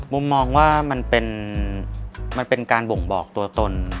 มุมมองว่ามันเป็นการบ่งบอกตัวตน